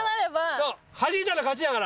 そうはじいたら勝ちだから。